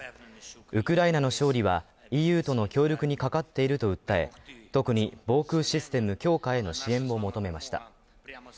ウクライナの勝利は、ＥＵとの協力にかかっていると訴え特に防空システム強化への支援を求めました。